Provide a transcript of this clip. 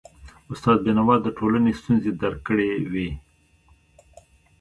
استاد بينوا د ټولنې ستونزي درک کړی وي.